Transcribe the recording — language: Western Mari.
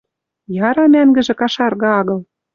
Яра, мӓнгӹжӹ кашаргы агыл.